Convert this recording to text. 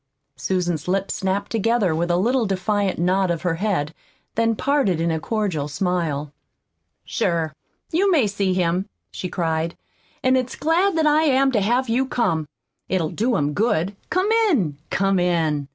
Susan's lips snapped together with a little defiant nod of her head, then parted in a cordial smile. "Sure, you may see him," she cried, "an' it's glad that I am to have you come! It'll do him good. Come in, come in!"